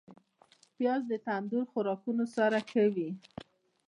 پیاز د تندور خوراکونو سره ښه وي